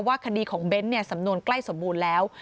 คดีของเบ้นสำนวนใกล้สมบูรณ์แล้ว